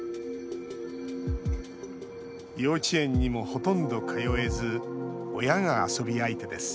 幼稚園にも、ほとんど通えず親が遊び相手です